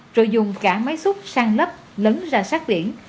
rồi dùng cả máy xúc sang lấp lấn ra sát biển